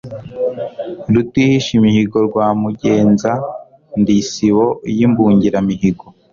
Rutihishimihigo rwa MugenzaNdi isibo y' imbungiramihigo